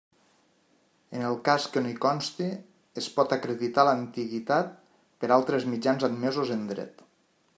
En el cas que no hi consti, es pot acreditar l'antiguitat per altres mitjans admesos en dret.